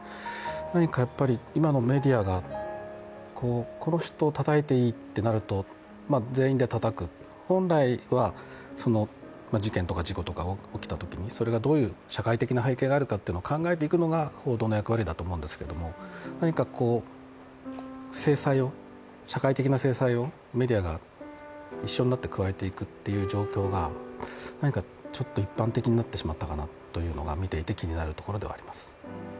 何かやっぱり今のメディアがこの人をたたいていいってなると全員でたたく、本来は事件とか事故とか起きたときにそれがどういう社会的な背景があるかを考えていくのが報道の役割だと思うんですけれども何か社会的な制裁をメディアが一緒になって加えていくっていう状況が何かちょっと一般的になってしまったなというのが見ていて気になるところではあります。